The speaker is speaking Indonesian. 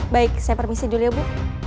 baik saya permisi dulu ya bu